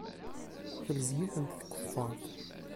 Telzem-itent tkeffart.